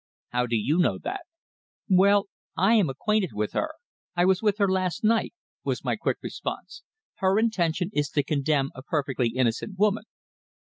"How do you know that?" "Well, I am acquainted with her. I was with her last night," was my quick response. "Her intention is to condemn a perfectly innocent woman."